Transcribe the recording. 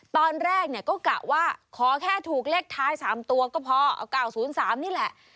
ตอนแรกเนี่ยก็กะว่าขอแค่ถูกเลขท้าย๓ตัวก็พอเอา๙๐๓นี่แหละ